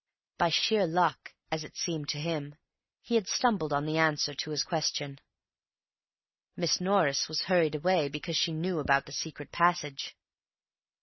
By sheer luck, as it seemed to him, he had stumbled on the answer to his question. Miss Norris was hurried away because she knew about the secret passage.